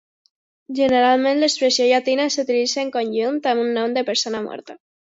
Generalment l'expressió llatina s'utilitza en conjunt amb un nom d'una persona morta.